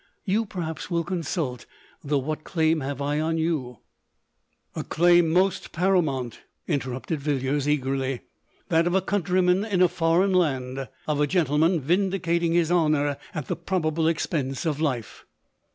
You, perhaps, will consult — though what claim have I on you ?"" A claim most paramount," interrupted Vil liers eagerly, —" that of a countryman in a foreign land — of a gentleman vindicating; his honour at the probable expense of life.